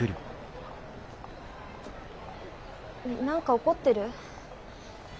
何か怒ってる？